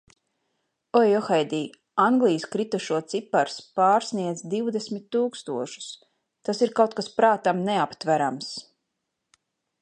Oi, johaidī, Anglijas kritušo cipars pārsniedz divdesmit tūkstošus, tas ir kaut kas prātam neaptverams.